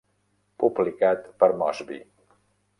Publicat per Mosby.